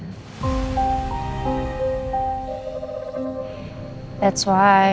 ketika dia tuh ayah kandungnya